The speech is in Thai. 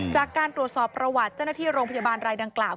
จากการตรวจสอบประวัติเจ้าหน้าที่โรงพยาบาลรายดังกล่าว